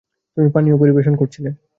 তুমি পানীয় পরিবেশন করছিলে।